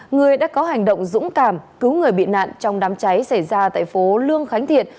người đã có hành động dũng cảm cứu người bị nạn trong đám cháy xảy ra tại phố lương khánh thiện